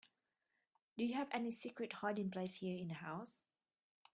Do you have any secret hiding place here in the house?